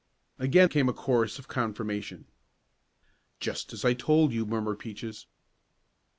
Again came the chorus of confirmation. "Just as I told you," murmured Peaches.